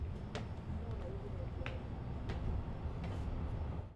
Toa maganda ya viazi